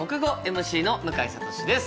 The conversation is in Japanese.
ＭＣの向井慧です。